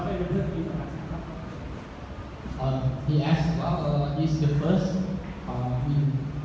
ฉะนั้นเราก็ขอบครับน้องท่านท่านทุกคนที่ชื่อขันเล่น